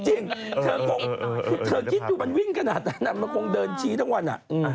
จริงเธอคงเธอคิดดูมันวิ่งขนาดนั้นมันคงเดินชี้ทั้งวัน